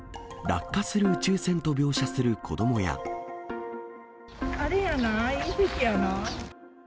落下する宇宙船と描写する子あれやない？